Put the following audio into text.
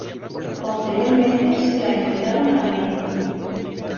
Posteriormente, se la entregaron a Levine.